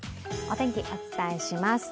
お天気、お伝えします。